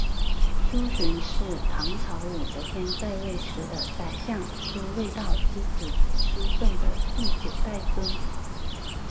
苏洵是唐朝武则天在位时的宰相苏味道之子苏份的第九代孙。